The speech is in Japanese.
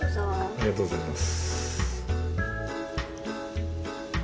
ありがとうございます。